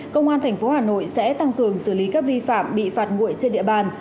công an tp hà nội sẽ tăng cường xử lý các vi phạm bị phạt nguội trên địa bàn